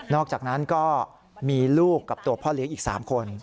อกจากนั้นก็มีลูกกับตัวพ่อเลี้ยงอีก๓คน